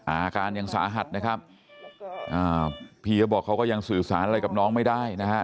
อาการยังสาหัสนะครับอ่าพี่เขาบอกเขาก็ยังสื่อสารอะไรกับน้องไม่ได้นะฮะ